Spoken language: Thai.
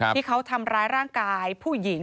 ที่เขาทำร้ายร่างกายผู้หญิง